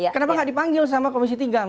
kenapa tidak dipanggil sama komisi tinggal